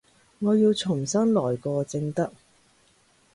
我要重新來過正得